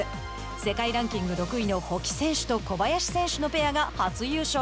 世界ランキング６位の保木選手と小林選手のペアが初優勝。